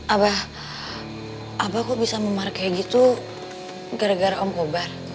abah abah kok bisa memar kayak gitu gara gara om kobar